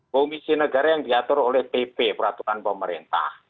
komisi negara yang diatur oleh pp peraturan pemerintah